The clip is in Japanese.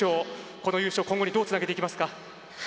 この優勝、今後にどうつなげていきますか？